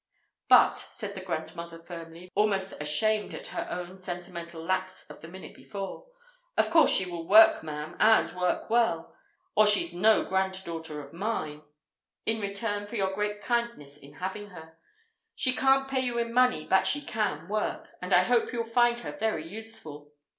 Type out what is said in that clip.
"But," said the grandmother firmly, almost ashamed of her own sentimental lapse of the minute before, "of course she will work, ma'am, and work well—or she's no granddaughter of mine!—in return for your great kindness in having her. She can't pay you in money, but she can work, and I hope you'll find her very useful.